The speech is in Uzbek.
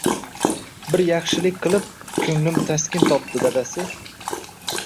Bir yaxshilik qilib, ko`nglim taskin topdi dadasi